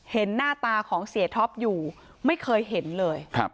เห็นหน้าตาของเสียท็อปอยู่ไม่เคยเห็นเลย